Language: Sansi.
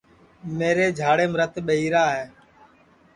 میرے جھاڑیم رت ٻہی را ہے